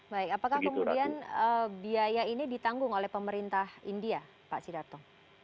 baik apakah kemudian biaya ini ditanggung oleh pemerintah india pak sidato